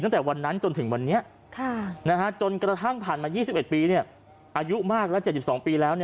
ตั้งแต่วันนั้นจนถึงวันนี้จนกระทั่งผ่านมา๒๑ปีอายุมากแล้ว๗๒ปีแล้ว